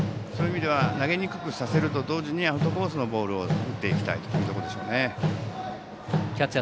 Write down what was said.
投げにくくさせると同時にアウトコースのボールを打っていきたいというところでしょうね。